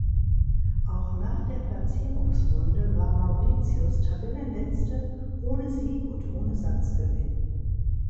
Auch nach der Platzierungsrunde war Mauritius Tabellenletzte ohne Sieg und ohne Satzgewinn.